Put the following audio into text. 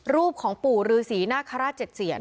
รูปของปู่ลฤษีน่าฆราชเจ็ดเสียร